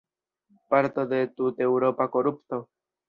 Parto de tuteŭropa korupto?